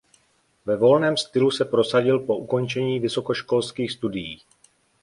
Ve volném stylu se prosadil po ukončení vysokoškolských studií.